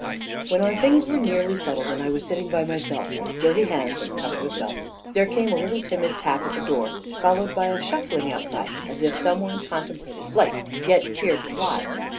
When our things were nearly settled, and I was sitting by myself, with dirty hands and covered with dust, there came a little timid tap at the door, followed by a shuffling outside, as if some one contemplated flight, yet feared to fly.